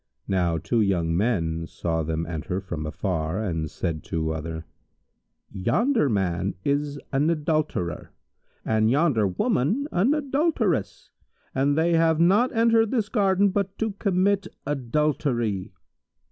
Now two young men saw them enter from afar and said each to other, "Yonder man is an adulterer and yonder woman an adulteress, and they have not entered this garden but to commit adultery."